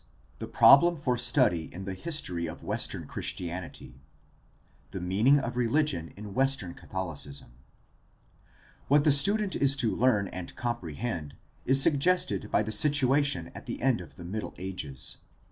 THE PROBLEM FOR STUDY IN THE HISTORY OF WESTERN CHRISTIANITY The meaning of religion in Western Catholicism. — What the student is to learn and comprehend is suggested by the situation at the end of the Middle Ages.